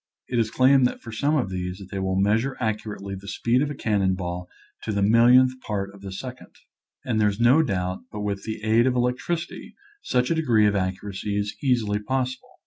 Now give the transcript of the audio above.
It is claimed for some of these that they will meas ure accurately the speed of a cannon ball to the millionth part of a second. And there is no doubt but with the aid of electricity such a degree of accuracy is easily possible.